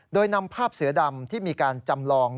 โดยนำภาพเสือดำที่มีการจำลอง